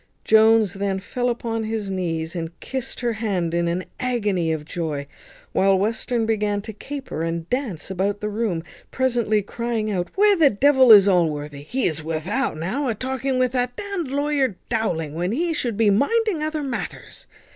Jones then fell upon his knees, and kissed her hand in an agony of joy, while Western began to caper and dance about the room, presently crying out "Where the devil is Allworthy? He is without now, a talking with that d d lawyer Dowling, when he should be minding other matters."